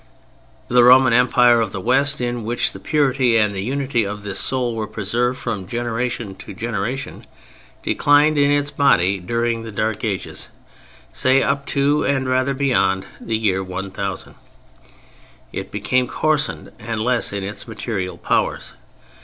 The Roman Empire of the West, in which the purity and the unity of this soul were preserved from generation to generation, declined in its body during the Dark Ages—say, up to and rather beyond the year 1000. It became coarsened and less in its material powers.